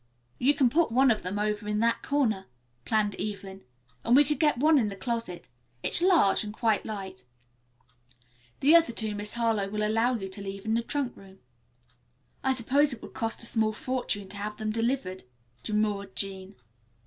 "You can put one of them over in that corner," planned Evelyn, "and we could get one into the closet. It's large and quite light. The other two Miss Harlowe will allow you to leave in the trunk room." "I suppose it will cost a small fortune to have them delivered," demurred Jean.